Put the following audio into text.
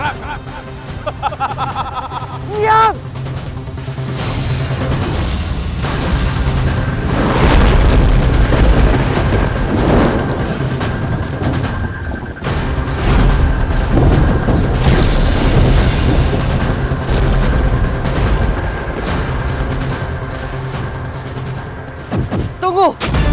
tapi kau tidak bisa mengetahui